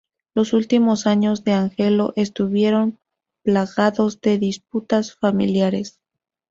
Los últimos años de Angelo estuvieron plagados de disputas familiares.